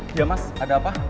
ya mas ada apa